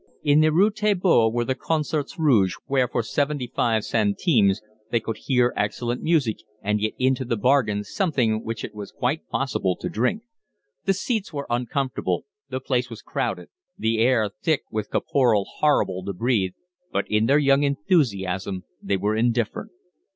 In the Rue Taitbout were the Concerts Rouge, where for seventy five centimes they could hear excellent music and get into the bargain something which it was quite possible to drink: the seats were uncomfortable, the place was crowded, the air thick with caporal horrible to breathe, but in their young enthusiasm they were indifferent.